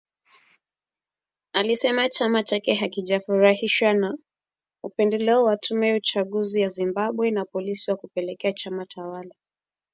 Alisema chama chake hakijafurahishwa na upendeleo wa tume ya uchaguzi ya Zimbabwe, na polisi kwa kukipendelea chama tawala